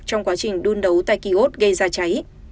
trong quá trình đun đấu tại kỳ hốt gây ra cháy